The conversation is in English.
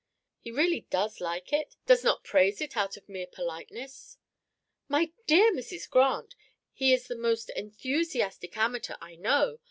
"He really does like it, does not praise it out of mere politeness?" "My dear Mrs. Grant! He is the most enthusiastic amateur I know.